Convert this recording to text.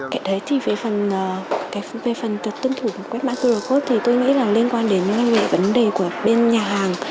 cái đấy thì về phần tân thủ quét mã qr code thì tôi nghĩ là liên quan đến vấn đề của bên nhà hàng